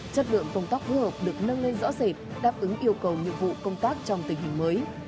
chất lượng công tác phối hợp được nâng lên rõ rệt đáp ứng yêu cầu nhiệm vụ công tác trong tình hình mới